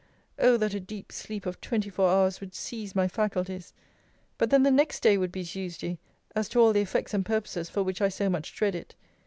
Oh that a deep sleep of twenty four hours would seize my faculties! But then the next day would be Tuesday, as to all the effects and purposes for which I so much dread it.